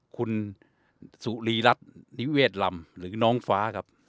คุณสุรีรัฐนิเวศลำหรือน้องฟ้าครับ